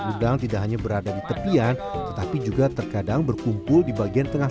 udang tidak hanya berada di tepian tetapi juga terkadang berkumpul di bagian tengah